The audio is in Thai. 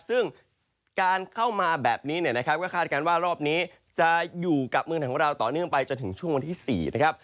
ซึ่งการเข้ามาแบบนี้เนี่ยนะครับก็คาดการณ์ว่ารอบนี้จะอยู่กับเมืองของเราต่อเนื่องไปจนถึงช่วงวันที่๔นะครับ